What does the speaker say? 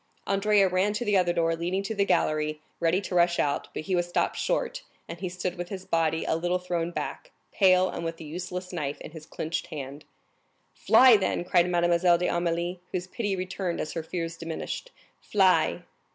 Andrea ran to the other door, leading to the gallery, ready to rush out; but he was stopped short, and he stood with his body a little thrown back, pale, and with the useless knife in his clenched hand. "Fly, then!" cried Mademoiselle d'Armilly, whose pity returned as her fears diminished; "fly!"